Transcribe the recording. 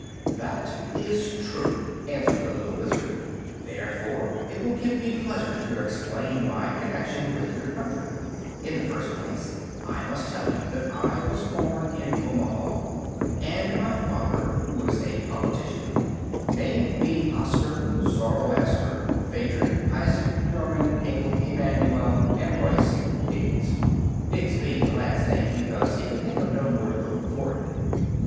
"That is true," answered the little Wizard; "therefore it will give me pleasure to explain my connection with your country. In the first place, I must tell you that I was born in Omaha, and my father, who was a politician, named me Oscar Zoroaster Phadrig Isaac Norman Henkle Emmannuel Ambroise Diggs, Diggs being the last name because he could think of no more to go before it.